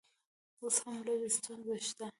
اوس هم لږ ستونزه شته